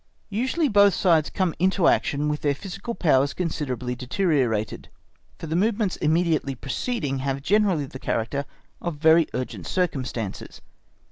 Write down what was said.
Usually both sides come into action with their physical powers considerably deteriorated, for the movements immediately preceding have generally the character of very urgent circumstances.